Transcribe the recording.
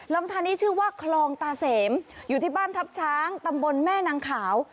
ทานนี้ชื่อว่าคลองตาเสมอยู่ที่บ้านทัพช้างตำบลแม่นางขาว